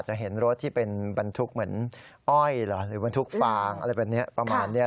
เห็นรถที่เป็นบรรทุกเหมือนอ้อยเหรอหรือบรรทุกฟางอะไรแบบนี้ประมาณนี้